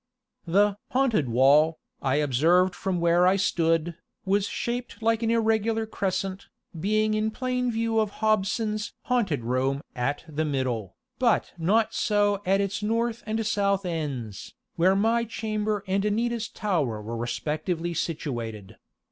The "haunted wall," I observed from where I stood, was shaped like an irregular crescent, being in plain view of Hobson's "haunted room" at the middle, but not so at its north and south ends, where my chamber and Anita's tower were respectively situated.